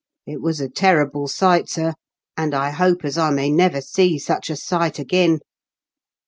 It was a terrible sight, sir ; and I hope as I may never see such a sight agin.'